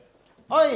はい！